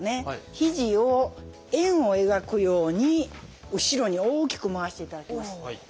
ひじを円を描くように後ろに大きく回していただきます。